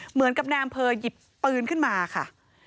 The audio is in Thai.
เหมือนกับนายอำเภอหยิบปืนขึ้นมาค่ะ